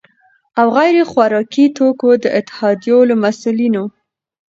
او غیر خوراکي توکو د اتحادیو له مسؤلینو،